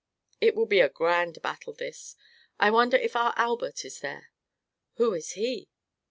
It will be a grand battle, this! I wonder if our Albert is there." "Who is he?"